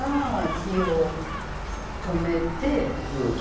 火を止めて。